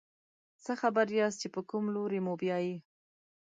څه خبر یاست چې په کوم لوري موبیايي.